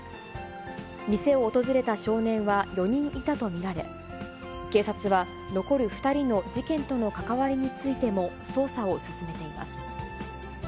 店を訪れた少年は４人いたと見られ、警察は、残る２人の事件との関わりについても捜査を進めています。